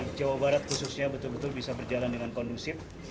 di jawa barat khususnya betul betul bisa berjalan dengan kondusif